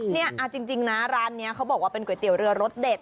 เนี่ยเอาจริงนะร้านนี้เขาบอกว่าเป็นก๋วยเตี๋ยวเรือรสเด็ด